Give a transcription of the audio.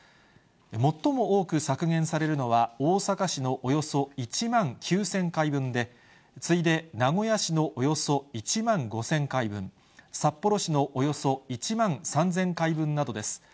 最も多く削減されるのは、大阪市のおよそ１万９０００回分で、次いで名古屋市のおよそ１万５０００回分、札幌市のおよそ１万３０００回分などです。